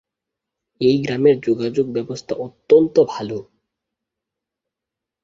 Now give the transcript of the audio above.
এই গ্রামের যোগাযোগ ব্যবস্থা অত্যন্ত ভাল।